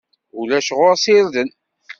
Ulac ɣur-s irden.